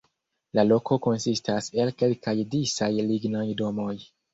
La loko konsistas el kelkaj disaj lignaj domoj.